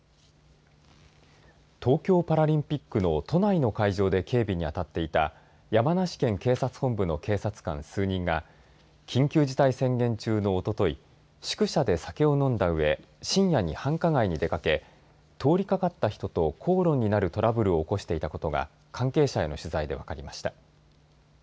東京パラリンピックの都内の会場で警備に当たっていた山梨県警察本部の警察官数人が緊急事態宣言中のおととい宿舎で酒を飲んだうえ深夜に繁華街に出かけ通りかかった人と口論になるトラブルを起こしていたことが関係者への取材で分かりました。